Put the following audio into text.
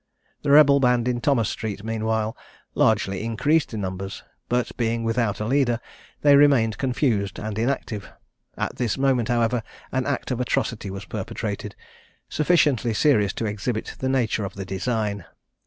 The rebel band in Thomas street, meanwhile, largely increased in numbers; but, being without a leader, they remained confused and inactive. At this moment, however, an act of atrocity was perpetrated, sufficiently serious to exhibit the nature of the design.